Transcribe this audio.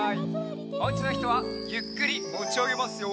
おうちのひとはゆっくりもちあげますよ。